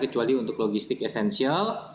kecuali untuk logistik esensial